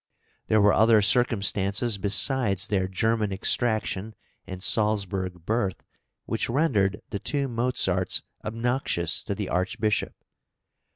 There were other circumstances besides their German extraction and Salzburg birth which rendered the two Mozarts obnoxious to the Archbishop.